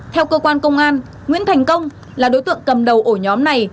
theo cơ quan công an nguyễn thành công là đối tượng cầm đầu ổ nhóm này